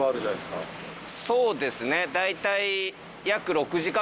そうですね大体。